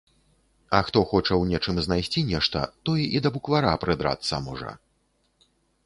А хто хоча ў нечым знайсці нешта, той і да буквара прыдрацца можа.